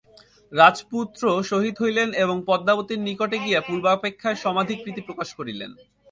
রাজপুত্র সহিত হইলেন এবং পদ্মাবতীর নিকটে গিয়া পূর্বাপেক্ষায় সমধিক প্রীতি প্রকাশ করিলেন।